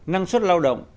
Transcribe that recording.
năng suất lao động